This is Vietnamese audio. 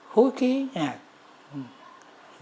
phối khí nhạc